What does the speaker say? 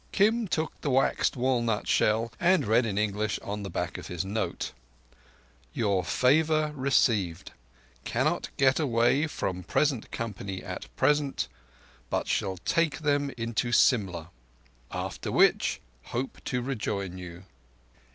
Kim took the waxed walnut shell and read in English on the back of his note: _Your favour received. Cannot get away from present company at present, but shall take them into Simla. After which, hope to rejoin you.